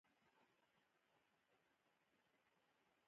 پر اسونو سپارې شوې.